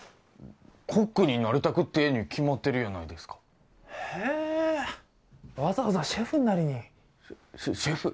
コックになりたくってえに決まってるやないですかへえわざわざシェフになりにシェシェフ？